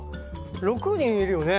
６にんいるよね？